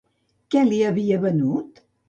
Què li havia venut?